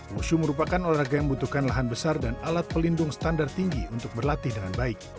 wushu merupakan olahraga yang membutuhkan lahan besar dan alat pelindung standar tinggi untuk berlatih dengan baik